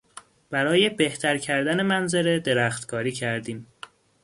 برای بهتر کردن منظره درختکاری کردیم.